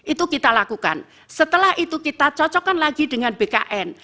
itu kita lakukan setelah itu kita cocokkan lagi dengan bkn